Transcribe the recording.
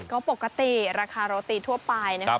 ก็ปกติราคาโรตีทั่วไปนะครับ